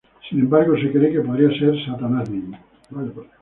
Sin embargo, se cree que podría ser Satanás mismo.